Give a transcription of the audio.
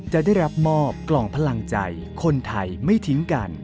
จะได้รับมอบกล่องพลังใจคนไทยไม่ทิ้งกัน